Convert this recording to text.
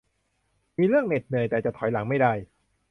มีเรื่องเหน็ดเหนื่อยแต่จะถอยหลังไม่ได้